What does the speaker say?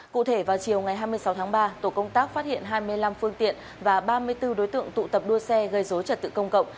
cụ thể vào chiều ngày hai mươi sáu tháng ba tổ công tác phát hiện hai mươi năm phương tiện và ba mươi bốn đối tượng tụ tập đua xe gây dối trật tự công cộng